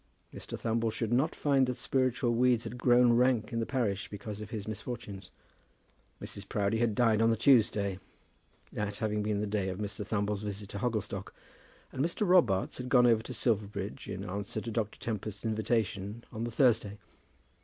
Mr. Thumble should not find that spiritual weeds had grown rank in the parish because of his misfortunes. Mrs. Proudie had died on the Tuesday, that having been the day of Mr. Thumble's visit to Hogglestock, and Mr. Robarts had gone over to Silverbridge, in answer to Dr. Tempest's invitation, on the Thursday.